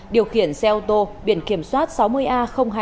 điều khiển xe ô tô biển kiểm soát sáu mươi a hai nghìn tám trăm chín mươi bốn